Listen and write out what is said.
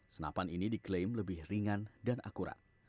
senapan ini diklaim lebih ringan dan akurat